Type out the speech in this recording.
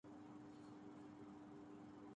لکھنے سے پہلے کچھ تفصیلات کا پتہ کر لیں